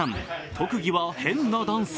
特技は、変なダンス。